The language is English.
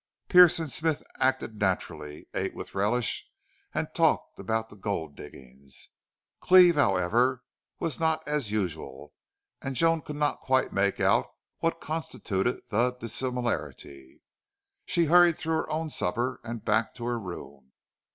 Pearce and Smith acted naturally, ate with relish, and talked about the gold diggings. Cleve, however, was not as usual; and Joan could not quite make out what constituted the dissimilarity. She hurried through her own supper and back to her room.